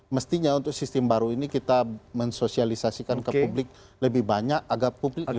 mestinya untuk sistem baru ini kita mensosialisasikan ke publik lebih banyak agar publik bisa